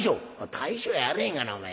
「大将やあれへんがなお前。